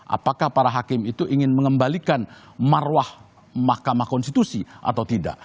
apakah para hakim itu ingin mengembalikan marwah mahkamah konstitusi atau tidak